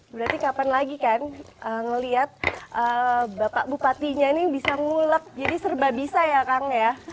berarti kapan lagi kan ngelihat bapak bupatinya ini bisa ngulek jadi serba bisa ya kang ya